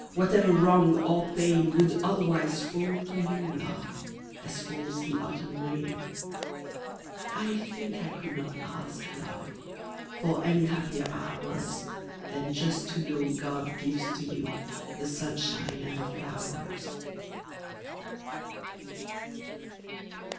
Whatever wrong or pain Would otherwise fall to you, love. As falls the autumn rain, — I think I could not ask, love. For any happier hours. Than just to know God gives to you The sunshine and the flowers.